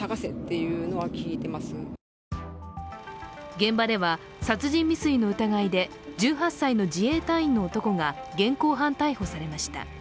現場では殺人未遂の疑いで１８歳の自衛隊員の男が現行犯逮捕されました。